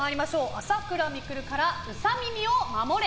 朝倉未来からウサ耳を守れ！